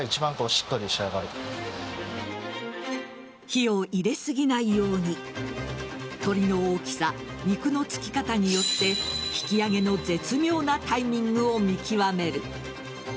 火を入れすぎないように鶏の大きさ、肉の付き方によって引き上げの絶妙なタイミングを見極める。